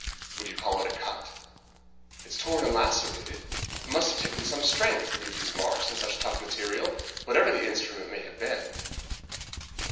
"Would you call it a cut?" "It is torn and lacerated. It must have taken some strength to leave these marks on such tough material, whatever the instrument may have been.